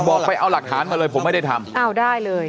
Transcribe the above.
บอกไปเอาหลักฐานมาเลยผมไม่ได้ทำอ้าวได้เลย